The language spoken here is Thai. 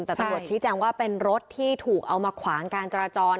แต่ตำรวจชี้แจงว่าเป็นรถที่ถูกเอามาขวางการจราจร